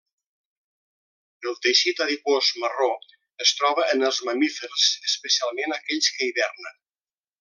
El teixit adipós marró es troba en els mamífers, especialment aquells que hibernen.